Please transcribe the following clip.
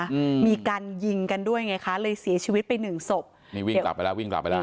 อืมมีการยิงกันด้วยไงคะเลยเสียชีวิตไปหนึ่งศพนี่วิ่งกลับไปแล้ววิ่งกลับไปแล้ว